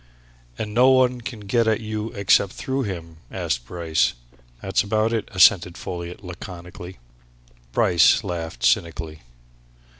"And nobody can get at you except through him?" asked Bryce. "That's about it," assented Folliot laconically. Bryce laughed cynically.